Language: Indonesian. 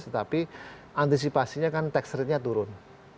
tapi antisipasinya kan tax rate nya turun